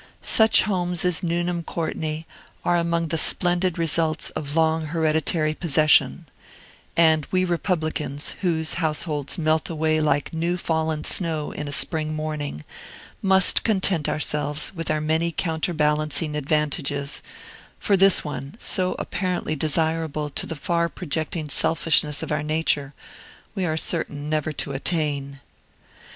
Such homes as Nuneham Courtney are among the splendid results of long hereditary possession; and we Republicans, whose households melt away like new fallen snow in a spring morning, must content ourselves with our many counterbalancing advantages, for this one, so apparently desirable to the far projecting selfishness of our nature, we are certain never to attain.